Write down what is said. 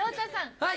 はい。